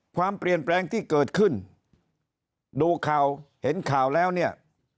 ความเปลี่ยนแปลงที่เกิดขึ้นดูข่าวเห็นข่าวแล้วเนี่ย